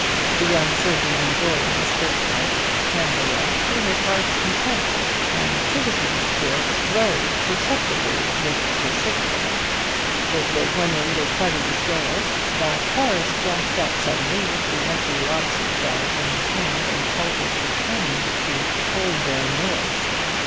The young surgeon enjoyed his first night at Camberwell to his heart's content; and Sigismund's spirits rose perceptibly with the six ale. It was when the little party was gayest that Horace jumped up suddenly with the empty lobster shell in his hand, and told his companions to "hold their noise."